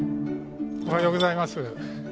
おはようございます。